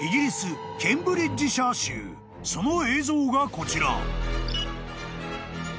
［その映像がこちら］